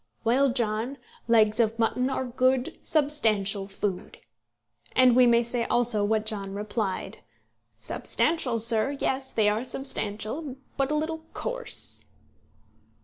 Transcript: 'Well, John, legs of mutton are good substantial food;' and we may say also what John replied: 'Substantial, sir; yes, they are substantial, but a little coarse.'"